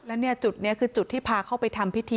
แล้วเนี่ยจุดนี้คือจุดที่พาเข้าไปทำพิธี